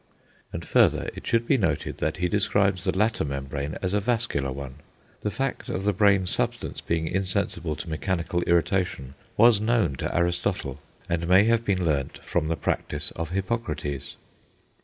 And further, it should be noted that he describes the latter membrane as a vascular one. The fact of the brain substance being insensible to mechanical irritation was known to Aristotle, and may have been learnt from the practice of Hippocrates.